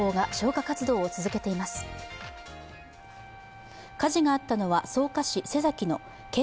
火事があったのは草加市瀬崎の建